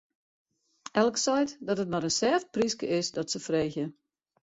Elk seit dat it mar in sêft pryske is, dat se freegje.